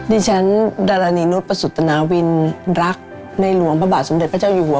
ดิฉันดารณีนุษย์ประสุทนาวินรักในหลวงพระบาทสมเด็จพระเจ้าอยู่หัว